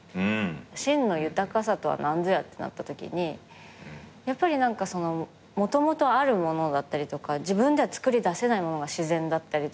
真の豊かさとは何ぞやってなったときにやっぱり元々あるものだったりとか自分では作り出せないものが自然だったりとか。